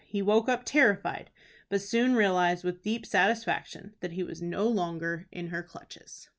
He woke up terrified, but soon realized with deep satisfaction that he was no longer in her clutches.